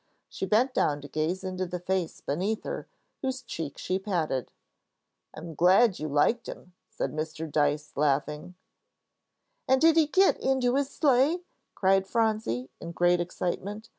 She bent down to gaze into the face beneath her, whose cheek she patted. "I'm glad you liked him," said Mr. Dyce, laughing. "And did he get into his sleigh?" cried Phronsie, in great excitement.